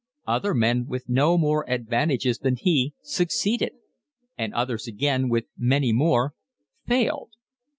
Other men, with no more advantages than he, succeeded, and others again, with many more, failed.